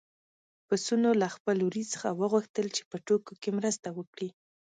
پسونو له خپل وري څخه وغوښتل چې په ټوکو کې مرسته وکړي.